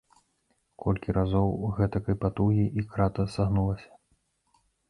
Колькі разоў гэтакай патугі, і крата сагнулася.